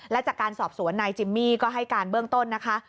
และจากการสอบสวนนายจิมมี่ก็ให้การเบื้องต้นนะคะ